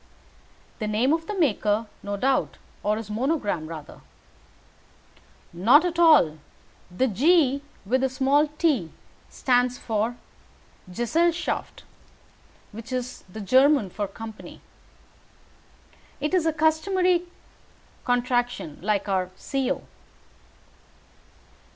"The name of the maker, no doubt; or his monogram, rather." "Not all. The G with the small t stands for 'Gesellschaft,' which is the German for 'Company.' It is a customary contraction like our 'Co.'